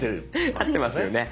合ってますよね。